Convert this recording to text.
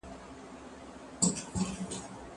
زه به قلم استعمالوم کړی وي!